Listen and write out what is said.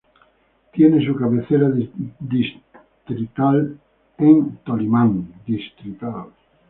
Tiene su cabecera Distrital en Tolimán.